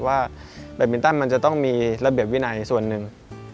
ว่าแบตมินตันมันจะต้องมีระเบียบวินัยส่วนหนึ่ง